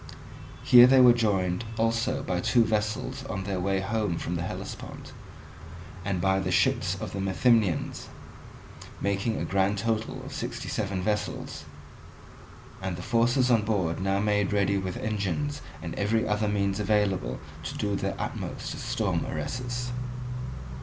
Here they were joined also by two vessels on their way home from the Hellespont, and by the ships of the Methymnians, making a grand total of sixty seven vessels; and the forces on board now made ready with engines and every other means available to do their utmost to storm Eresus.